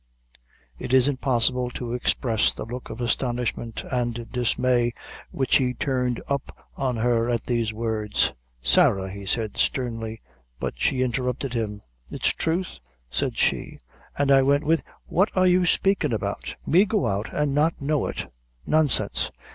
It is impossible to express the look of astonishment and dismay which he turned up on her at these words. "Sarah!" he said, sternly; but she interrupted him. "It's thruth," said she; "an I went with " "What are you spakin' about? Me go out, an' not know it! Nonsense!"